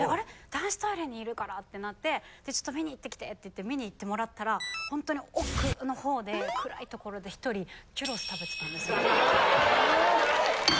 男子トイレにいるからってなってちょっと見に行ってきてって見に行ってもらったらほんとに奥の方で暗い所で１人チュロス食べてたんですよ。